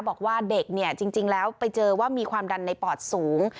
บอกว่าเด็กเนี่ยจริงแล้วไปเจอว่ามีความดันในปอดสูง